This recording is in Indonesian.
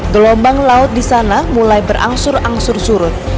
gelombang laut di sana mulai berangsur angsur surut